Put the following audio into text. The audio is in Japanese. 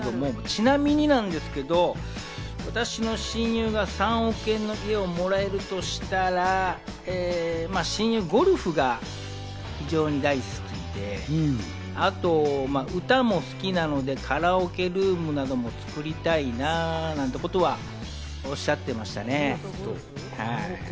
ちなみになんですけど、私の親友が３億円の家をもらえるとしたら親友はゴルフが非常に大好きで、あと歌も好きなのでカラオケルームなども作りたいなぁ、なんてことはおっしゃってましたね。